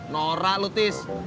norak lu tis